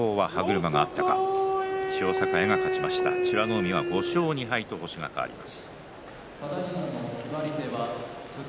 海は５勝２敗と星が変わります。